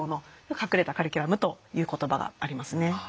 「隠れたカリキュラム」という言葉がありますね。